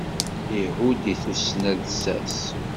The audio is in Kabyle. Ihud i tusna lsas.